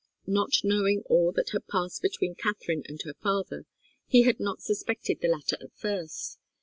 Not knowing all that had passed between Katharine and her father, he had not suspected the latter at first.